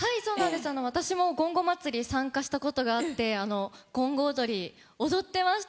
私も、ごんごまつり参加したことがあってごんごおどり、踊ってました。